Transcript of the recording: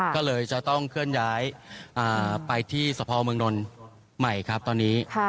ก็เลยจะต้องเคลื่อนย้ายไปที่สพเมืองนนท์ใหม่ครับตอนนี้